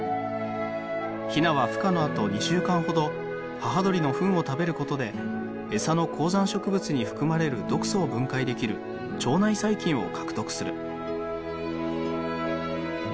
ひなは孵化のあと２週間ほど母鳥のふんを食べることでえさの高山植物に含まれる毒素を分解できる腸内細菌を獲得する。